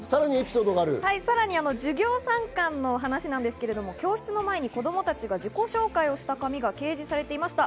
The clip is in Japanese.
さらに授業参観の話ですが、教室の前に子供たちが自己紹介をした紙が掲示されていました。